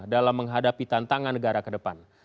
dalam menghadapi tantangan negara ke depan